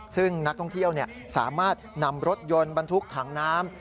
ซึ่งนักท่องเที่ยวสามารถนำรถยนต์บรรทุกถังน้ำ